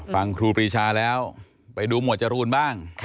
ครูปรีชาแล้วไปดูหมวดจรูนบ้าง